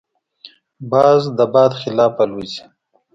باز د باد خلاف الوزي